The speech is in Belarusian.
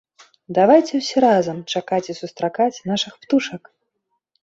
Давайце ўсе разам чакаць і сустракаць нашых птушак!